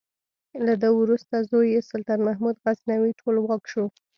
له ده وروسته زوی یې سلطان محمود غزنوي ټولواک شو.